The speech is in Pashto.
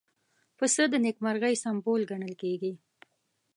پسه د نېکمرغۍ سمبول ګڼل کېږي.